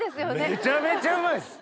めちゃめちゃうまいっす！